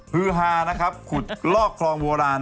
ฮือฮานะครับขุดลอกคลองโบราณ